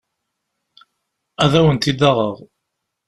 Ad awen-t-id-aɣeɣ.